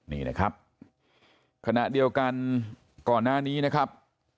นี่นะครับขณะเดียวกันก่อนหน้านี้นะครับ